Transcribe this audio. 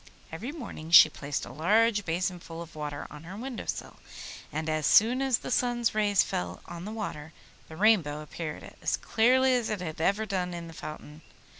Every morning she placed a large basin full of water on her window sill, and as soon as the sun's rays fell on the water the Rainbow appeared as clearly as it had ever done in the fountain.